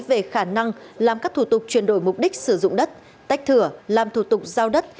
về khả năng làm các thủ tục chuyển đổi mục đích sử dụng đất tách thửa làm thủ tục giao đất